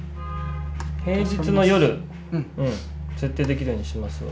平日の夜設定できるようにしますわ。